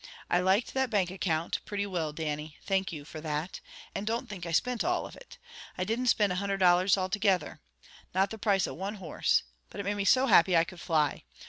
I liked that bank account, pretty will, Dannie. Thank you, for that. And don't think I spint all of it. I didn't spind a hundred dollars all togither. Not the price of one horse! But it made me so happy I could fly.